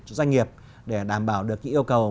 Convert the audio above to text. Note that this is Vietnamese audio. cho doanh nghiệp để đảm bảo được những yêu cầu